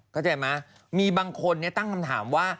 เข้าใจไหมมีบางคนตั้งคำถามว่า